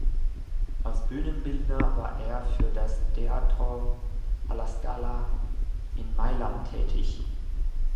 Als Bühnenbildner war er für das "Teatro alla Scala" in Mailand tätig.